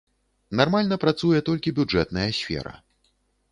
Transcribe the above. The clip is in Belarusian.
Нармальна працуе толькі бюджэтная сфера.